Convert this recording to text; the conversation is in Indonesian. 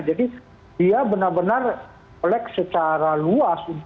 jadi dia benar benar kolek secara luas